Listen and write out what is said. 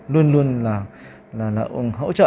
luôn luôn là hỗ trợ